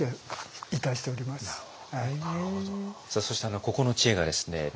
そしてここの知恵がですね